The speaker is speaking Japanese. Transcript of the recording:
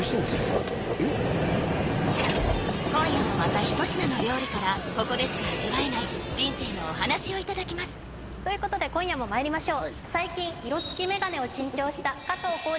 今夜もまた一品の料理からここでしか味わえない人生のお話をいただきますということで今夜もまいりましょうああいいですね